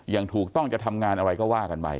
อย่างถูกต้องจะทำงานอะไรก็ว่ากันไป